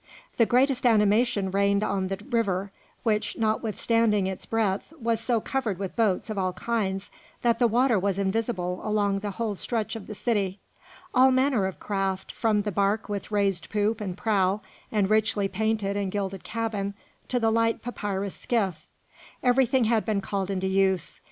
The greatest animation reigned on the river, which, notwithstanding its breadth, was so covered with boats of all kinds that the water was invisible along the whole stretch of the city; all manner of craft, from the bark with raised poop and prow and richly painted and gilded cabin to the light papyrus skiff, everything had been called into use.